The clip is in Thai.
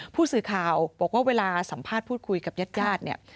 ผู้สื่อข่าวบอกว่าเวลาสัมภาษณ์พูดคุยกับญาติ